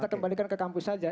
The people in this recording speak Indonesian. jangan ke kampus saja